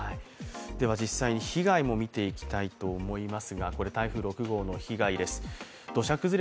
では実際に被害も見ていきたいと思います。